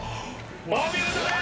お見事です！